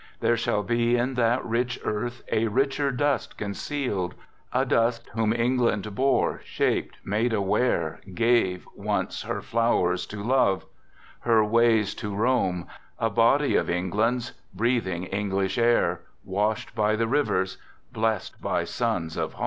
There shall be In that rich earth a richer dust concealed; \ A dust whom England bore, shaped, made aware, 1 Gave, once, her flowers to love, her ways to roam, : A body of England's, breathing English air, 1 Washed by the rivers, blest by suns of home.